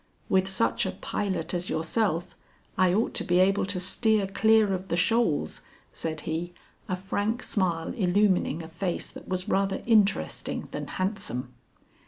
"With such a pilot as yourself, I ought to be able to steer clear of the shoals," said he, a frank smile illumining a face that was rather interesting than handsome.